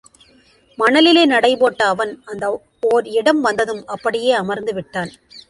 மணலிலே நடை போட்ட அவன், அந்த ஒர் இடம் வந்ததும் அப்படியே அமர்ந்து விட்டான்.